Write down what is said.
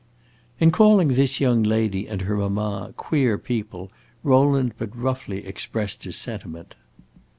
In calling this young lady and her mamma "queer people," Rowland but roughly expressed his sentiment.